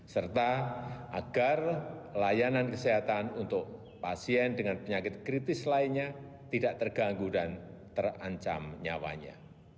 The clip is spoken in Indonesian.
serta agar layanan kesehatan untuk pasien dengan penyakit kritis lainnya tidak terganggu dan terancam nyawanya